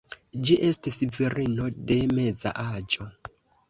Ĝi estis virino de meza aĝo.